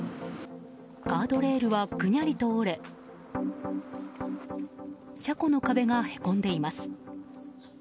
ガードレールはぐにゃりと折れ車庫の壁がへこんでいます。